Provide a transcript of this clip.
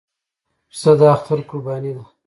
پسه د اختر قرباني ده.